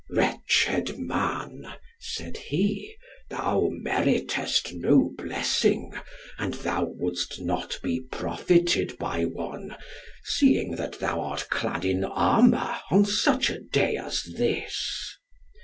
"Wretched man," said he, "thou meritest no blessing, and thou wouldst not be profited by one, seeing that thou art clad in armour on such a day as this."